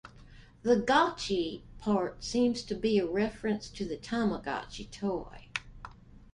The "gotchi" part seems to be a reference to the Tamagotchi toy.